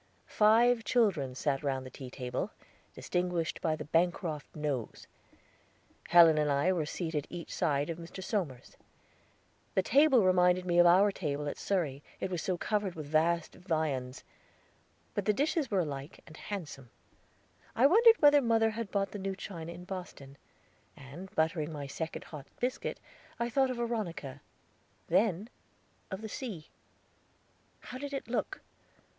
Five children sat round the tea table, distinguished by the Bancroft nose. Helen and I were seated each side of Mr. Somers. The table reminded me of our table at Surrey, it was so covered with vast viands; but the dishes were alike, and handsome. I wondered whether mother had bought the new china in Boston, and, buttering my second hot biscuit, I thought of Veronica; then, of the sea. How did it look?